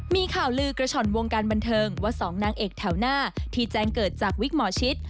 มีข่าวลือกระฉ่อนวงการบันเทิงว่า๒นางเอกแถวหน้าที่แจ้งเกิดจากวิกหมอชิต